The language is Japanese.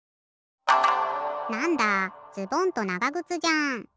なんだズボンとながぐつじゃん。